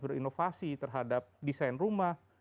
berinovasi terhadap desain rumah